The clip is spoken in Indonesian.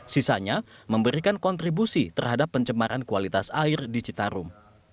sisanya memberikan kontribusi terhadap pencemaran kualitas air di citarum